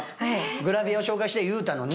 グラビアを紹介して言うたのに。